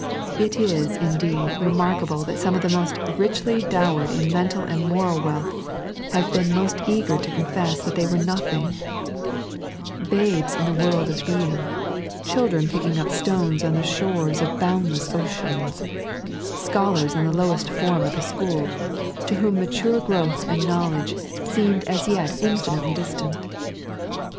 It is, indeed, remarkable that some of the most richly dowered in mental and moral wealth have been most eager to confess that they were nothing — babes in the world of 3.a.t.zsdt,y Google 24 The Passive Side of the Blessed Life. being, children picking up stones on the shores of boundloss ooeane, scholars on the lowest form of the school, to whom mature growth and knowledge seemed as yet indefinitely distant.